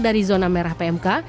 dari zona merah pmk